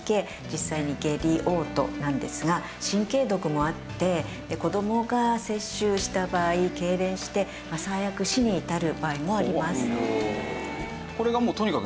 実際に下痢嘔吐なんですが神経毒もあって子どもが摂取した場合けいれんして最悪死に至る場合もあります。